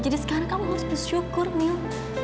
jadi sekarang kamu harus bersyukur mil